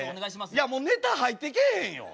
いやもうネタ入ってけえへんよ。